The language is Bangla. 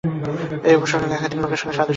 এই উপসর্গ গুলো একাধিক রোগের সাথে সাদৃশ্য পূর্ণ।